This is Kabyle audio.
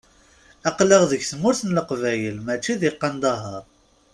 Aql-aɣ deg tmurt n Leqbayel, mačči deg Qandahaṛ.